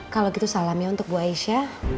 kalau gitu salamnya untuk bu aisyah